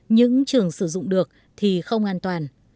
những trường sử dụng được thì không an toàn